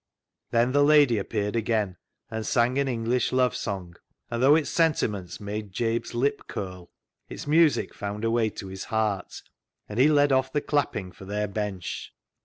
Then the lady appeared again and sang an English love song, and, though its sentiments made Jabe's lip curl, its music found a way to his heart, and he led off the clapping for their bench.